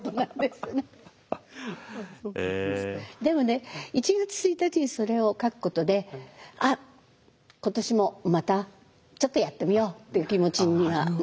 でもね１月１日にそれを書くことで「あっ今年もまたちょっとやってみよう」っていう気持ちにはなりますね。